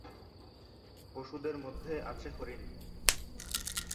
পশুদের মধ্যে আছে হরিণ।